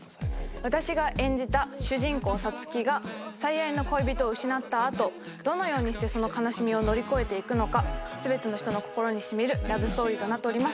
私が演じた主人公さつきが最愛の恋人を失った後どのようにしてその悲しみを乗り越えて行くのか全ての人の心に染みるラブストーリーとなっております。